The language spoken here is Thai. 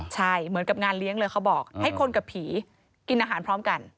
ใช่เหมือนกับงานเลี้ยงเลยเขาบอกให้คนกับผีกินอาหารพร้อมกัน